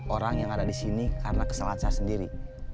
orang yang ada disini karena kesalahan saya sendiri